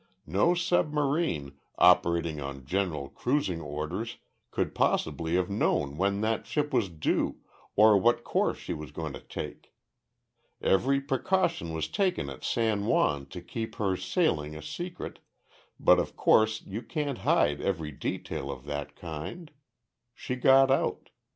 No submarine, operating on general cruising orders, could possibly have known when that ship was due or what course she was going to take. Every precaution was taken at San Juan to keep her sailing a secret, but of course you can't hide every detail of that kind. She got out.